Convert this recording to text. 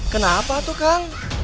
kenapa tuh kang